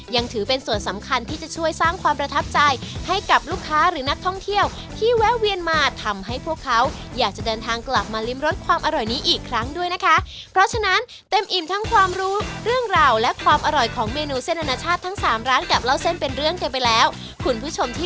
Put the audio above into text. ยังถือเป็นส่วนสำคัญที่จะช่วยสร้างความประทับใจให้กับลูกค้าหรือนักท่องเที่ยวที่แวะเวียนมาทำให้พวกเขาอยากจะเดินทางกลับมาริมรสความอร่อยนี้อีกครั้งด้วยนะคะเพราะฉะนั้นเต็มอิ่มทั้งความรู้เรื่องราวและความอร่อยของเมนูเส้นอนาชาติทั้งสามร้านกับเล่าเส้นเป็นเรื่องกันไปแล้วคุณผู้ชมที่